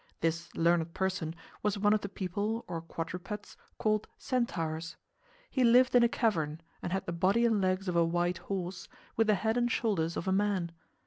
This learned person was one of the people, or quadrupeds, called Centaurs. He lived in a cavern, and had the body and legs of a white horse, with the head and shoulders of a man.